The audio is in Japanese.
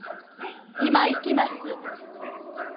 今行きます。